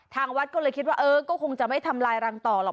ทางวัดก็เลยคิดว่าเออก็คงจะไม่ทำลายรังต่อหรอก